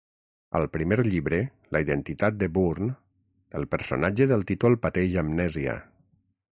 Al primer llibre, La identitat de Bourne, el personatge del títol pateix amnèsia.